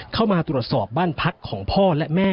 เข้ามาตรวจสอบบ้านพักของพ่อและแม่